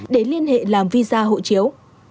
để liên hệ làm visa hộ chiếu